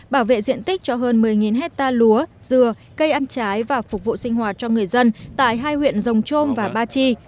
bảo vệ diện tích cho hơn một mươi hectare lúa dừa cây ăn trái và phục vụ sinh hoạt cho người dân tại hai huyện rồng trôm và ba chi